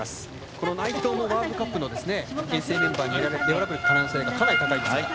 この内藤もワールドカップの遠征メンバーに選ばれる可能性がかなり高いですから。